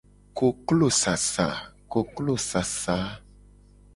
Koklosasa.